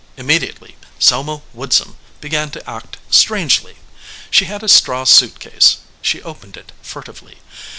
Immediately Selma Woodsum began to act strangely. She had a straw suit case. She opened it furtively.